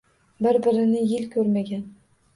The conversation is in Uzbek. Bir-birini yil koʻrmagan.